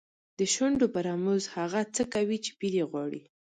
د شونډو په رموز هغه څه کوي چې پیر یې غواړي.